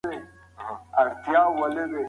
ترنګ